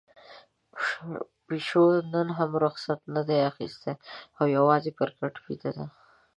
پيشو نن هم رخصتي نه ده اخیستې او يوازې پر کټ ويده ده.